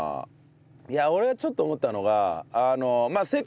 いや俺ちょっと思ったのが。